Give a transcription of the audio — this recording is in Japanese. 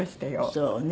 そうね。